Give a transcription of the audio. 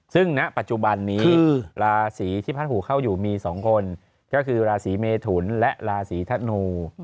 ซึ่งณปัจจุบันนี้ราศีที่พัดหูเข้าอยู่มี๒คนก็คือราศีเมทุนและราศีธนู